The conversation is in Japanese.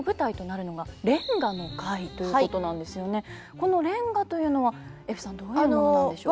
この連歌というのはゑふさんどういうものなんでしょう？